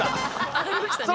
「上がりましたね」。